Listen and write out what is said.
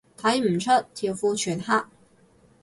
睇唔出，條褲全黑